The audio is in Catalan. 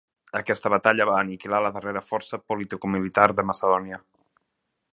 Aquesta batalla va aniquilar la darrera força politicomilitar de Macedònia.